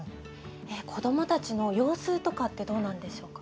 子どもたちの様子とかってどうなんでしょうか？